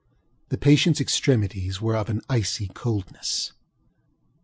The patientŌĆÖs extremities were of an icy coldness.